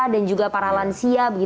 dan juga para lansia